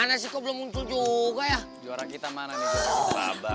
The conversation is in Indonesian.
aku gak haus